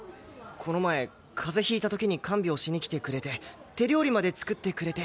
この前風邪引いた時に看病しに来てくれて手料理まで作ってくれて。